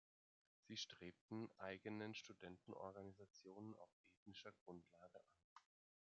Sie strebten eigene Studentenorganisationen auf ethnischer Grundlage an.